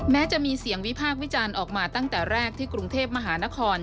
แม้จะมีเสียงวิพากษ์วิจารณ์ออกมาตั้งแต่แรกที่กรุงเทพมหานคร